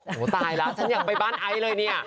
โอ้โหตายแล้วฉันอยากไปบ้านไอซ์เลยเนี่ย